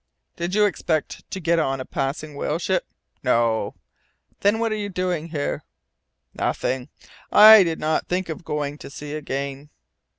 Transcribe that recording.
"Did you expect to get on a passing whale ship?" "No." "Then what were you doing here?" "Nothing, and I did not think of going to sea again."